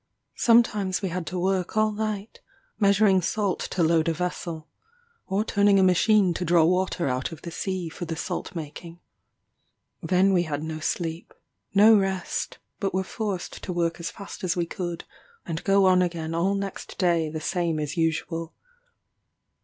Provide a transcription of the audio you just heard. Sometimes we had to work all night, measuring salt to load a vessel; or turning a machine to draw water out of the sea for the salt making. Then we had no sleep no rest but were forced to work as fast as we could, and go on again all next day the same as usual.